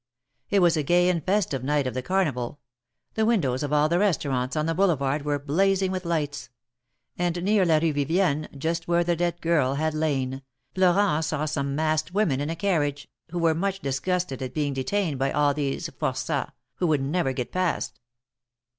It was a gay and festive night of the Carnival — the windows of all the restaurants on the Boulevard were blazing with lights; and near la Kue Vivienne, just where the dead girl had lain, Florent saw some masqued women in a carriage, who were much disgusted at being detained by all these ''for9ats," ''who would never get past."